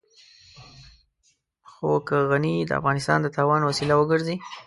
خو که غني د افغانستان د تاوان وسيله وګرځي.